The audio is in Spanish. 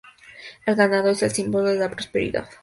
El ganado es el símbolo de la prosperidad.